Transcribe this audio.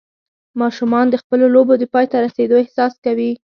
ماشومان د خپلو لوبو د پای ته رسېدو احساس کوي.